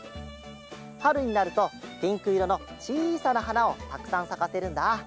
はるになるとピンクいろのちいさなはなをたくさんさかせるんだ。